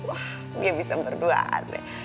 wah dia bisa berduaan deh